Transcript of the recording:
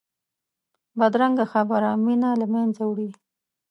بدرنګه خبره مینه له منځه وړي